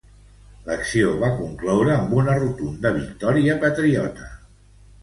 L'acció va concloure amb una rotunda victòria patriota.